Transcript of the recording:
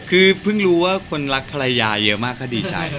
คือเพิ่งรู้ว่าคนรักภรรยาเยอะมากก็ดีใจ